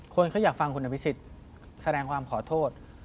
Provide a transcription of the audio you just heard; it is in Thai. คนที่อยากฟังคุณพิศิษฐ์แสดงความขอโทษ